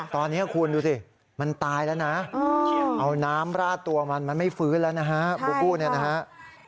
ตอนนี้คุณดูสิมันตายแล้วนะน้ำระดตัวมันมันไม่ฟื้นแล้วนะครับ